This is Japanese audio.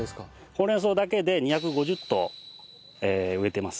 ほうれん草だけで２５０棟植えてます。